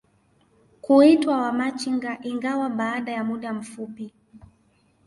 kuitwa Wamachinga ingawa baada ya muda mfupi